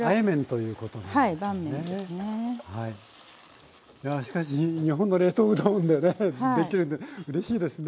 いやしかし日本の冷凍うどんでねできるってうれしいですね。